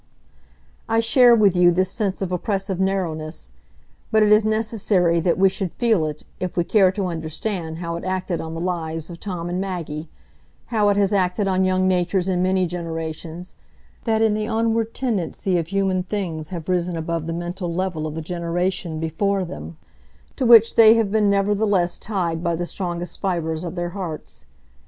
I share with you this sense of oppressive narrowness; but it is necessary that we should feel it, if we care to understand how it acted on the lives of Tom and Maggie,—how it has acted on young natures in many generations, that in the onward tendency of human things have risen above the mental level of the generation before them, to which they have been nevertheless tied by the strongest fibres of their hearts.